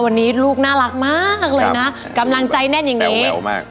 วันนี้ลูกน่ารักมากเลยนะกำลังใจแน่นอย่างนี้โตมาก